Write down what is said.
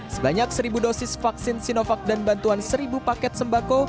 sebanyak seribu dosis vaksin sinovac dan bantuan seribu paket sembako